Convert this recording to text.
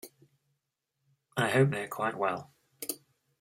I hope they are quite well.